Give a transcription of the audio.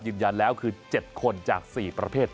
ยืนยันแล้วคือ๗คนจาก๔ประเภท